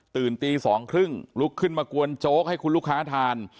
ตื่นตีสองครึ่งลุกขึ้นมากวนโจ๊กให้คุณลูกค้าทาน